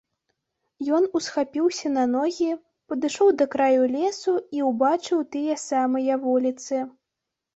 Ён усхапіўся на ногі, падышоў да краю лесу і ўбачыў тыя самыя вуліцы.